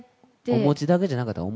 お餅だけじゃなかった。